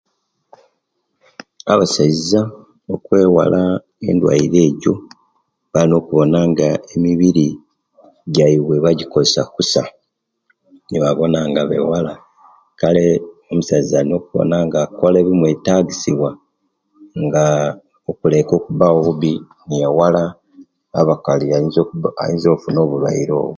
Abasaiza okwewala endwaire ejjo balina okubona nga emibiri jaibwe bajjikozesa kusa nibabona nga bewala kale omusaiza alina okubonenga akola ebimwetagisiwa nga okuleka okubawo wubi neyewala abakali ayiinza okufuna obulwaire obwo